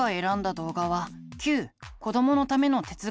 動画は「Ｑこどものための哲学」。